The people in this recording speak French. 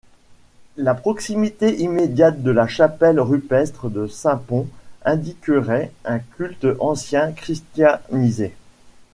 La proximité immédiate de la chapelle rupestre de Saint-Pons indiquerait un culte ancien christianisé.